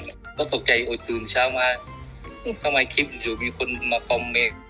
ก็ตกใจโอ๊ยตื่นเช้ามาอื้อทำไมคลิปอยู่มีคนมาคอมเมค